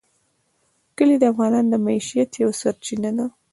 کلي د افغانانو د معیشت یوه سرچینه ده.